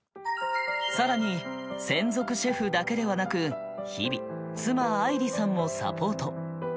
さらに専属シェフだけではなく日々妻愛梨さんもサポート。